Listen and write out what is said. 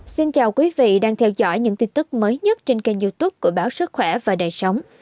xin chào quý vị đang theo dõi những tin tức mới nhất trên kênh youtube của báo sức khỏe và đời sống